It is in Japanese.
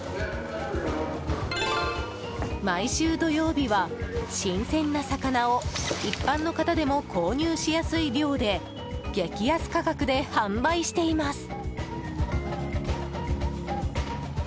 毎週土曜日は、新鮮な魚を一般の方でも購入しやすい量で激安価格で販売しています。